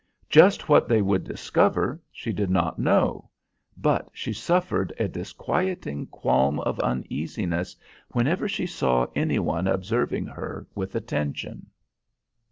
Just what they would discover she did not know; but she suffered a disquieting qualm of uneasiness whenever she saw any one observing her with attention.